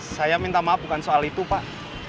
saya minta maaf bukan soal itu pak